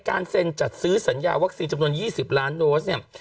การเซ็นจัดซื้อสัญญาวัคซีนจำนวน๒๐ล้านโดสเนี่ย